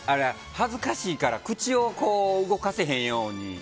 恥ずかしいから口を動かさへんように。